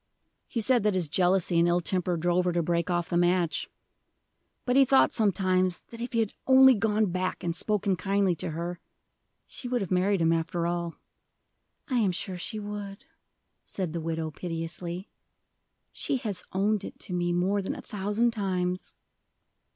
He said that his jealousy and ill temper drove her to break off the match; but he thought sometimes if he had only gone back and spoken kindly to her, she would have married him after all." "I am sure she would," said the widow piteously. "She has owned it to me more than a thousand times."